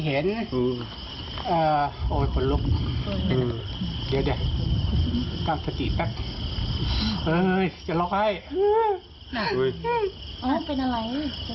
ยังได้อะไร